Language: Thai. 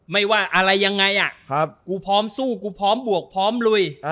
ไม่ว่าอะไรยังไงกูพร้อมสู้กูพร้อมบวกพร้อมลุย